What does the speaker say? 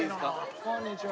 こんにちは。